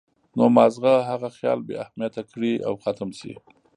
نو مازغۀ هغه خيال بې اهميته کړي او ختم شي